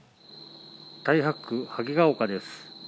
太白区萩ヶ丘です。